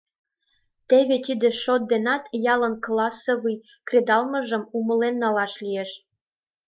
Теве тиде шот денат ялын классовый кредалмашыжым умылен налаш лиеш.